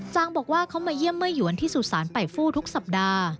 บอกว่าเขามาเยี่ยมเมื่อหยวนที่สุสานไปฟู้ทุกสัปดาห์